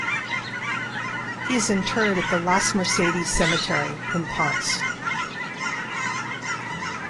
He is interred at the Las Mercedes Cemetery in Ponce.